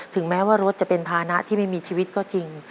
แม้ว่ารถจะเป็นภานะที่ไม่มีชีวิตก็จริง